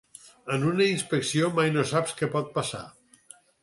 En una inspecció mai no saps què pot passar.